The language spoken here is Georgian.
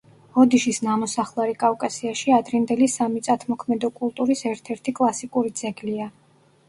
ოდიშის ნამოსახლარი კავკასიაში ადრინდელი სამიწათმოქმედო კულტურის ერთ–ერთი კლასიკური ძეგლია.